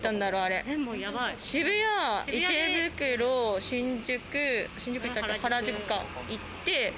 渋谷、池袋、新宿、原宿か、行って。